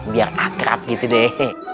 biar akrab gitu deh